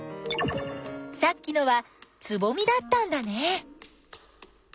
さっきのはつぼみだったんだね。